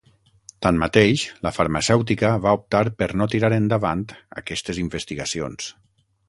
Tanmateix, la farmacèutica va optar per no tirar endavant aquestes investigacions.